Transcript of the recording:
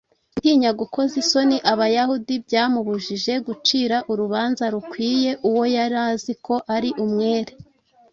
Gutinya gukoza isoni Abayahudi byamubujije gucira urubanza rukwiye uwo yari azi ko ari umwere.